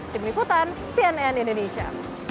di berikutan cnn indonesia